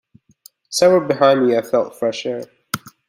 Somewhere behind me I felt fresh air.